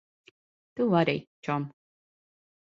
Tu arī, čom.